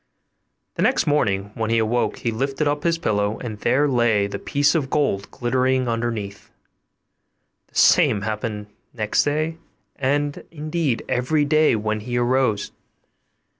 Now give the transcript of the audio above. The next morning when he awoke he lifted up his pillow, and there lay the piece of gold glittering underneath; the same happened next day, and indeed every day when he arose.